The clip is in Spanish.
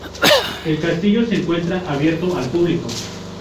El castillo se encuentra abierto al público.